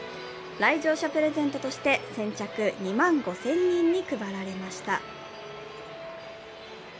来場者プレゼントとして、先着２万５０００人に配られました。